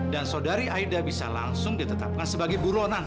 dan saudari aida bisa langsung ditetapkan sebagai buruanan